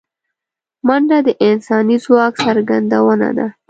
منډه د انساني ځواک څرګندونه ده